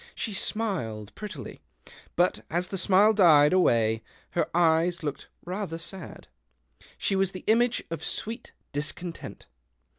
She smiled prettily ; but as the smile died away her eyes looked rather sad. She was the image of sweet discontent.